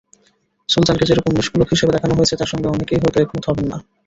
সুলতানকে যেরকম নিষ্কলুষ হিসেবে দেখানো হয়েছে, তার সঙ্গে অনেকেই হয়তো একমত হবেন না।